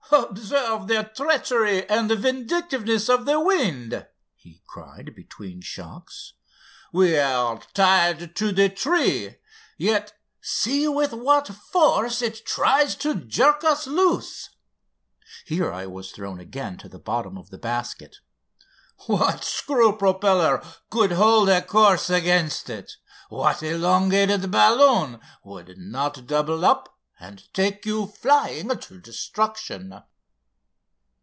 "Observe the treachery and vindictiveness of the wind," he cried between shocks. "We are tied to the tree, yet see with what force it tries to jerk us loose." (Here I was thrown again to the bottom of the basket.) "What screw propeller could hold a course against it? What elongated balloon would not double up and take you flying to destruction?"